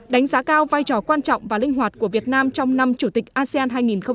đánh giá cao vai trò quan trọng và linh hoạt của việt nam trong năm chủ tịch asean hai nghìn hai mươi